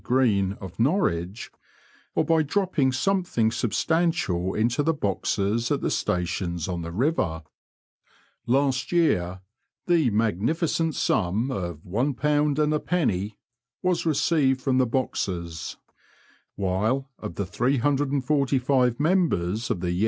Greene, of Norwich, or by dropping something sub stantial into the boxes at the stations on the river. Last year the magnificent sum of one pound and a penny was received from the boxes, while of the 845 members of the Y,P.